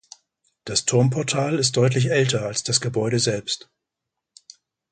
Das Turmportal ist deutlich älter als das Gebäude selbst.